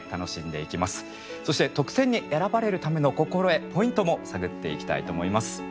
そして特選に選ばれるための心得ポイントも探っていきたいと思います。